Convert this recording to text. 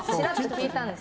聞いたんです。